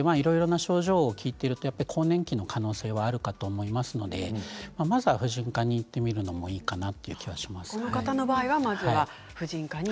症状を聞いていると更年期の可能性があると思いますので、まずは婦人科に行ってみるのがいいかなと思います。